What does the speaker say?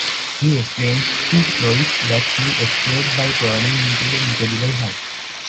He explains to Lois that he escaped by turning into the Incredible Hulk.